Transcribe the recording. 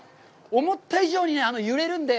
思った以上に揺れるんで。